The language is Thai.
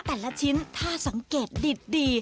แต่ละชิ้นถ้าสังเกตดี